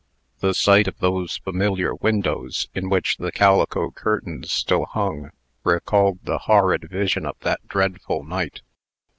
The sight of those familiar windows, in which the calico curtains still hung, recalled the horrid vision of that dreadful night.